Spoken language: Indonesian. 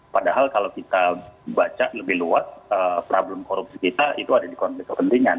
padahal kalau kita baca lebih luas problem korupsi kita itu ada di konflik kepentingan